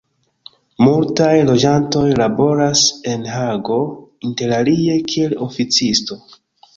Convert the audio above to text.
Multaj loĝantoj laboras en Hago interalie kiel oficisto.